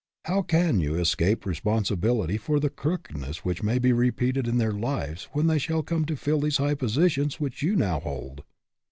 How can you escape responsibility for the crookedness which may be repeated in their lives when they shall come to fill these high positions which you now hold?